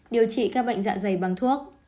điều trị các bệnh dạ dày bằng thuốc